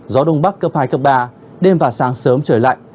gió đông bắc cấp hai cấp ba đêm và sáng sớm trời lạnh